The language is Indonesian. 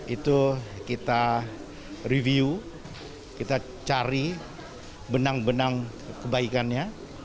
itu kita review kita cari benang benang kebaikannya